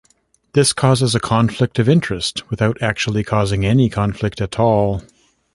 This causes a conflict of interests without actually causing any conflict at all.